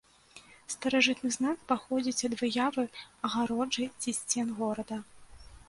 Старажытны знак паходзіць ад выявы агароджы ці сцен горада.